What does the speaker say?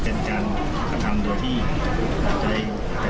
เป็นอารมณ์เชื่อผู้เต็นการทำทำดับที่ใจนั่นไงเธอก็ไม่เข้าใจอยู่แล้ว